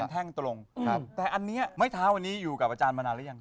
นี้ท่ามาตรงแต่อันนี้ไม้เท้าอันนี้อยุ่กับอาจารย์มานานละยัง